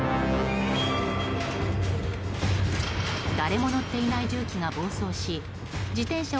誰も乗っていない重機が暴走し自転車